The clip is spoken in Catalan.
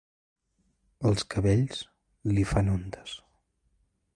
Els cabells li fan ondes.